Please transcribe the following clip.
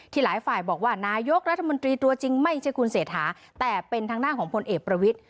หลายฝ่ายบอกว่านายกรัฐมนตรีตัวจริงไม่ใช่คุณเศรษฐาแต่เป็นทางด้านของพลเอกประวิทธิ